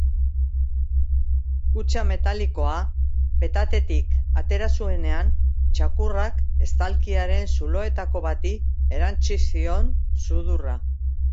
Kutxa metalikoa petatetik atera zuenean, txakurrak estalkiaren zuloetako bati erantsi zion sudurra.